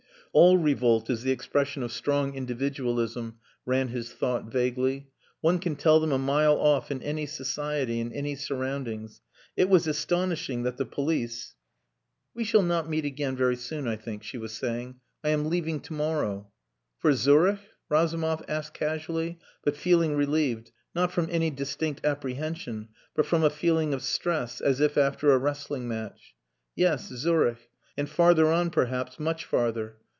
All revolt is the expression of strong individualism ran his thought vaguely. One can tell them a mile off in any society, in any surroundings. It was astonishing that the police.... "We shall not meet again very soon, I think," she was saying. "I am leaving to morrow." "For Zurich?" Razumov asked casually, but feeling relieved, not from any distinct apprehension, but from a feeling of stress as if after a wrestling match. "Yes, Zurich and farther on, perhaps, much farther.